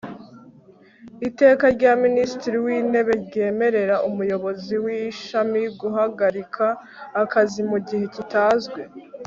iteka rya minisitiri w intebe ryemerera umuyobozi w ishami guhagarika akazi mu gihe kitazwi